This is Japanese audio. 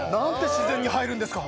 自然に入るんですか！